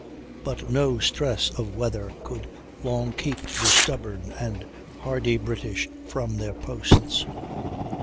But no stress of weather could long keep the stubborn and hardy British from their posts.